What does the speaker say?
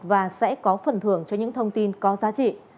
và sẽ có phần thưởng cho những thông tin có giá trị